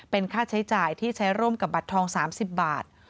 เป็นค่าใช้จ่ายที่ใช้ร่วมกับบัตรทอง๓๐บาท